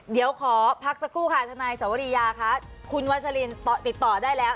เดี๋ยวขอพักสักครู่ค่ะทนายสวรียาค่ะคุณวัชลินติดต่อได้แล้ว